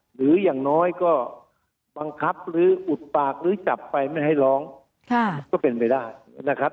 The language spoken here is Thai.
หรืออย่างน้อยก็บังคับหรืออุดปากหรือจับไปไม่ให้ร้องก็เป็นไปได้นะครับ